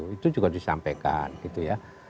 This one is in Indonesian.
itu juga disampaikan gitu ya